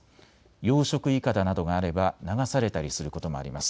養殖いかだなどがあれば流されたりすることもあります。